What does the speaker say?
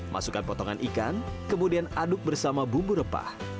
masukkan potongan ikan kemudian aduk bersama bumbu rempah